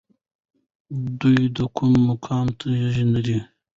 دی د کوم مقام تږی نه دی.